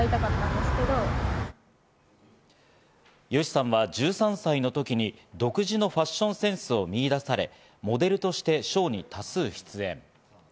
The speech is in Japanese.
ＹＯＳＨＩさんは１３歳の時に独自のファッションセンスを見いだされ、モデルとしてショーに多数出演。